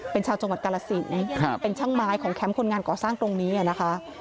เป็นชาวจังหวัดกาลสินเป็นช่างไม้ของแคมป์คนงานก่อสร้างตรงนี้นะคะ